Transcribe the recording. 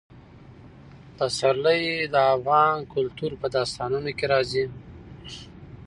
پسرلی د افغان کلتور په داستانونو کې راځي.